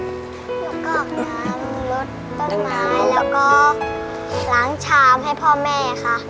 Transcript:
หนูก็ออกน้ำลดต้นไม้แล้วก็ล้างชามให้พ่อแม่ค่ะ